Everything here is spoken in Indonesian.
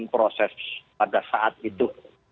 proses pada saat itu